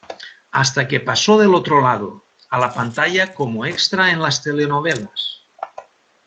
Hasta que pasó del otro lado, a la pantalla como extra en las telenovelas.